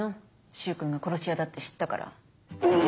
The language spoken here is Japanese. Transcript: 柊君が殺し屋だって知ったから。